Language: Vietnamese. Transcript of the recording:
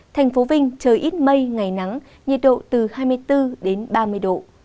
thành phố vinh trời ít mây ngày nắng nhiệt độ từ hai mươi bốn đến ba mươi độ